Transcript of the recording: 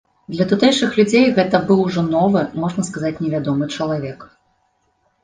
Для тутэйшых людзей гэта быў ужо новы, можна сказаць, невядомы чалавек.